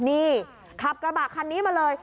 นี่ขับกระบะคันนี้มาเลย